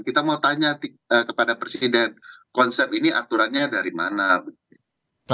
kita mau tanya kepada presiden konsep ini aturannya dari mana begitu